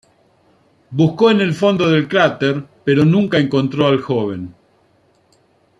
Buscó en el fondo del cráter, pero nunca encontró al joven.